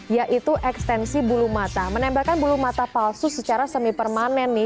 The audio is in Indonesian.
yaitu ekstensi bulu mata menembakkan bulu mata palsu secara semi permanen nih